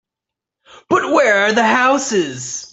But where are the houses?